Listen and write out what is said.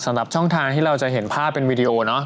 สำหรับช่องทางที่เราจะเห็นภาพเป็นวีดีโอเนอะ